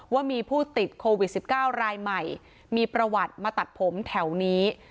ว่ามีผู้ติดโควิด๑๙รายใหม่มีประวัติมาตัดผมแถวนี้